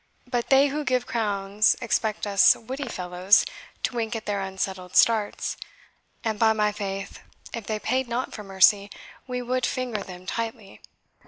But they who give crowns expect us witty fellows to wink at their unsettled starts; and, by my faith, if they paid not for mercy, we would finger them tightly!"